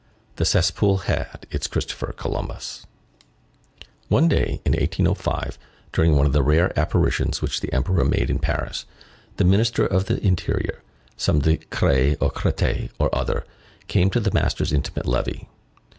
The cesspool had its Christopher Columbus. One day, in 1805, during one of the rare apparitions which the Emperor made in Paris, the Minister of the Interior, some Decrès or Crétet or other, came to the master's intimate levee.